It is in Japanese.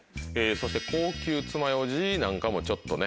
そして高級つまようじなんかもちょっとね。